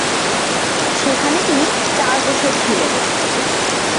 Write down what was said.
সেখানে তিনি চার বছর ছিলেন।